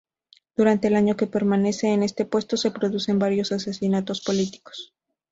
Durante el año que permanece en este puesto se producen varios asesinatos políticos.